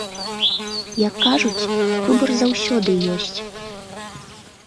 Як кажуць, выбар заўсёды ёсць.